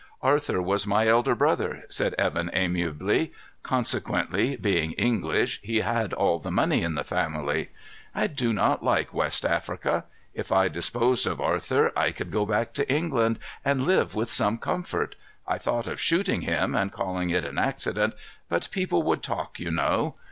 "Arthur was my elder brother," said Evan amiably. "Consequently, being English, he had all the money in the family. I do not like West Africa. If I disposed of Arthur, I could go back to England and live with some comfort. I thought of shooting him and calling it an accident, but people would talk, you know.